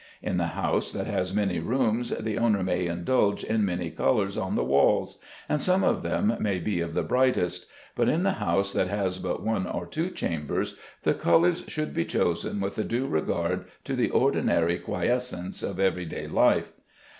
In the house that has many rooms the owner may indulge in many colours on the walls, and some of them may be of the brightest; but in the house that has but one or two chambers the colours should be chosen with a due regard to the ordinary quiescence of every day life.